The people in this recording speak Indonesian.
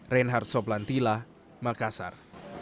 reinhard soplantila makassar